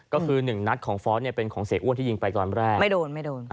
ก็คือ๑นัทของฟอสเป็นของเสียอ้วนที่ยิงไปตอนแรกไม่โดน